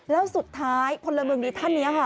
แล้วสุดท้ายพลเมืองดีท่านนี้ค่ะ